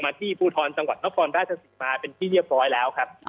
ที่ภูทรจังหวัดนครราชศรีมาเป็นที่เรียบร้อยแล้วครับ